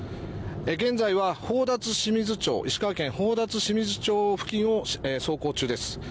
現在は石川県宝達志水町付近を走行中です。